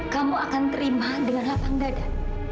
kamu akan terima dengan lapang dada